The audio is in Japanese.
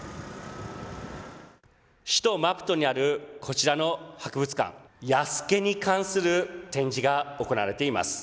首都マプトにあるこちらの博物館、ＹＡＳＵＫＥに関する展示が行われています。